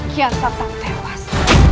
kian santang tewas